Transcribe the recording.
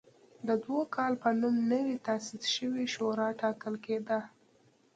د دوکال په نوم نوې تاسیس شوې شورا ټاکل کېده.